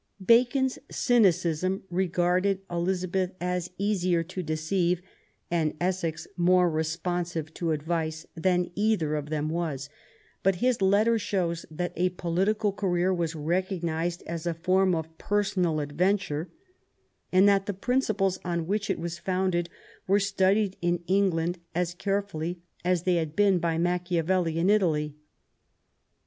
Bacon's cynicism regarded Elizabeth as easier to deceive, and Essex more responsive to advice, than either of them was ; but his letter shows that a political career was recognised as a form of personal adventure, and that the principles on which it was founded were studied in England as carefully as they had been by Machiavelli in Italy.